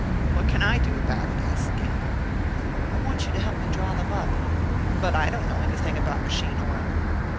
"What can I do about it?" asked Gamble. "I want you to help me draw them up." "But I don't know anything about machine oil."